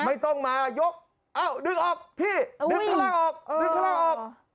ไม่ต้องมายกเอ้าดึงออกพี่ดึงข้างล่างออกดึงข้างล่างออก